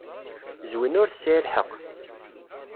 Zwina ur tesɛi lḥeqq.